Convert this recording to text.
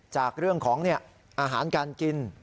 จากเรื่องของอาหารการกิน